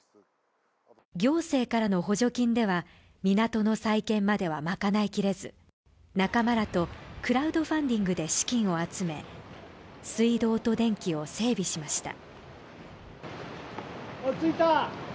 行政からの補助金では、港の再建までは賄いきれず、仲間らとクラウドファンディングで資金を集め水道と電気を整備しました。